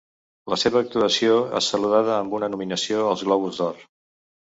La seva actuació és saludada amb una nominació als Globus d'Or.